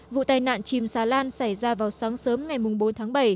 vụ tai nạn chìm xà lan xảy ra vào sáng sớm ngày bốn tháng bảy